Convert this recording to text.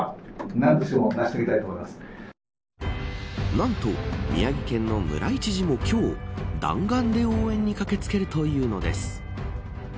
何と宮城県の村井知事も今日弾丸で応援に駆け付けるというのです。